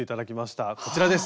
こちらです。